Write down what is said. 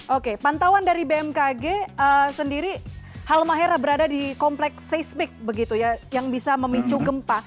oke pantauan dari bmkg sendiri halmahera berada di kompleks seismik begitu ya yang bisa memicu gempa